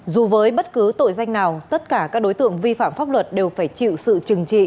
dù với bất cứ tội danh nào tất cả các đối tượng vi phạm pháp luật đều phải chịu sự trừng trị